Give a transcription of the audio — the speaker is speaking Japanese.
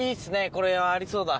これはありそうだ。